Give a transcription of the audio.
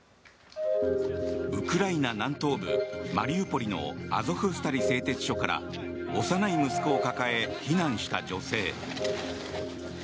ウクライナ南東部マリウポリのアゾフスタリ製鉄所から幼い息子を抱え、避難した女性。